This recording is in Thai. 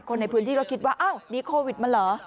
คนในพื้นที่ก็คิดว่าอ้าวนี่โควิดมันเหรอ